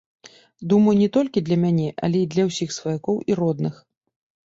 Думаю, не толькі для мяне, але і для ўсіх сваякоў і родных.